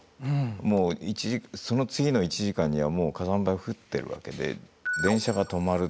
もうその次の１時間にはもう火山灰は降ってるわけで電車が止まる。